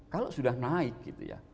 kalau sudah naik gitu ya